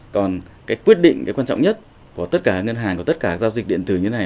còn cái quyết định cái quan trọng nhất của tất cả ngân hàng của tất cả giao dịch điện tử như thế này